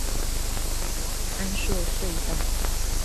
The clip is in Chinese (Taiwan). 安朔隧道